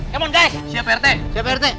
c'mon guys siap pak rete siap pak rete